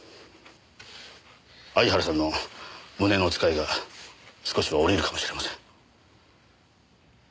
相原さんの胸のつかえが少しは下りるかもしれません。